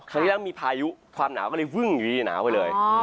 ครั้งที่แล้วมีพายุความหนาก็เลยวึ่งอยู่ที่นาวไปเลย